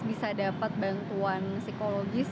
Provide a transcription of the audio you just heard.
bisa dapat bantuan psikologis